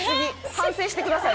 反省してください